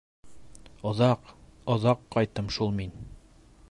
Оҙаҡ, оҙаҡ ҡайттым шул мин!..